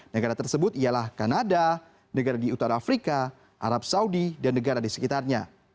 negara tersebut ialah kanada negara di utara afrika arab saudi dan negara di sekitarnya